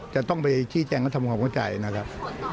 จะต้องไปชี้แจงและทำความเข้าใจนะครับ